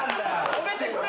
止めてくれ。